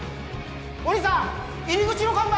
お兄さん入り口の看板